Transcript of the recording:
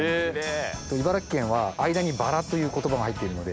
茨城県は間に「ばら」という言葉が入ってるので。